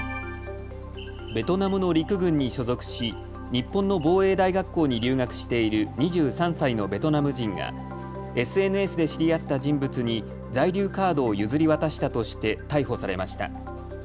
ベトナムの陸軍に所属し、日本の防衛大学校に留学している２３歳のベトナム人がＳＮＳで知り合った人物に在留カードを譲り渡したとして逮捕されました。